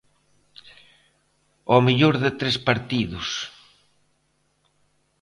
Ao mellor de tres partidos.